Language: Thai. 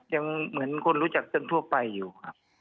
เหมือนคนรู้จักกันทั่วไปอยู่ครับ